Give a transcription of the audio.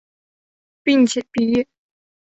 并且毕业。